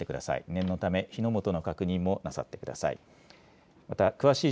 念のため火の元の確認もなさってください。